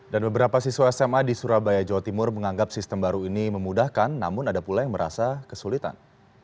dan beberapa siswa sma di surabaya jawa timur menganggap sistem baru ini memudahkan namun ada pula yang merasa kesulitan